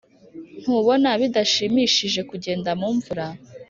ntubona bidashimishije kugenda mumvura?